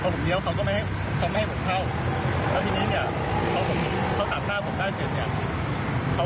อ๋อแหละผมก็เลยเขาถอยลง๒๓รอบอ่ะ